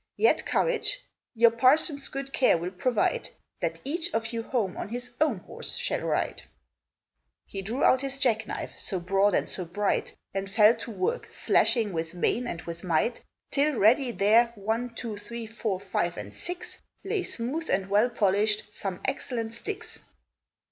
Yet courage! Your parson's good care will provide That each of you home on his own horse shall ride!" He drew out his jackknife so broad and so bright, And fell to work slashing with main and with might; Till ready there, one, two, three, four, five and six, Lay smooth and well polished, some excellent sticks.